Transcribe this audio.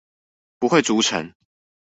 不會築城